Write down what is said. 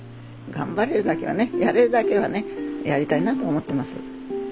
頑張れるだけはねやれるだけはねやりたいなと思ってます。